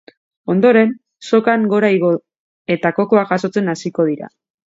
Ondoren, sokan gora igo, eta kokoak jasotzen hasiko dira.